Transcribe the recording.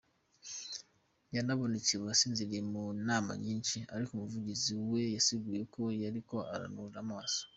Yarabonekanye asinziriye mu nama nyinshi ariko umuvugizi wiwe yasiguye ko yaba ariko araruhurira amaso.